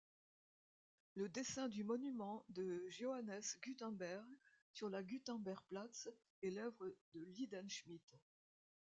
Le dessin du monument de Johannes Gutenberg sur la Gutenbergplatz est l’œuvre de Lindenschmit.